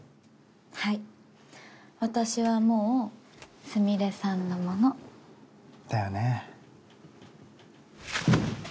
はい私はもうスミレさんのものだよね